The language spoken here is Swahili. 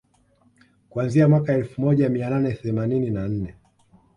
kuanzia mwaka elfu moja mia nane themanini na nne